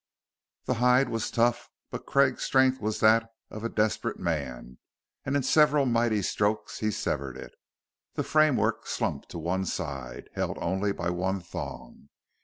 The hide was tough, but Craig's strength was that of a desperate man, and in several mighty strokes he severed it. The framework slumped to one side, held only by one thong.